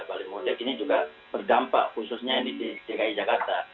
balik mudik ini juga berdampak khususnya di dki jakarta